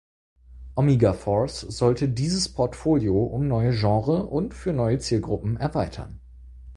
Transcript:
Omega Force sollte dieses Portfolio um neue Genres und für neue Zielgruppen erweitern.